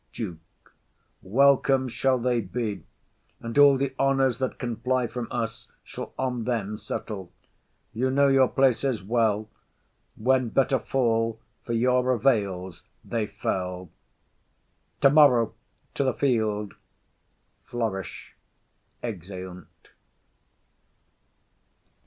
DUKE. Welcome shall they be; And all the honours that can fly from us Shall on them settle. You know your places well; When better fall, for your avails they fell. Tomorrow to the field. [_Flourish. Exeunt.